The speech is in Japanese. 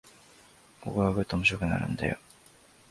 ここからぐっと面白くなるんだよ